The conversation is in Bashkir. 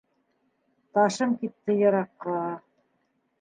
Ташым китте йыраҡҡа.